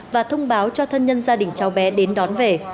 và thông báo cho thân nhân gia đình cháu bé đến đón về